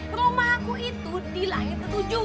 rumah aku itu di layar ketujuh